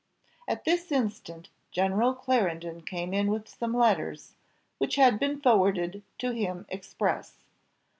At this instant General Clarendon came in with some letters, which had been forwarded to him express.